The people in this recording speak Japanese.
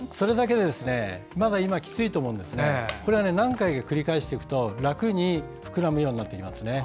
まだ、今はきついと思うんですが何回か繰り返していただくと楽に膨らむようになってきますね。